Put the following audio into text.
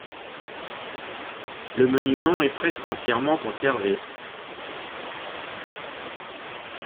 Le monument est presque entièrement conservé.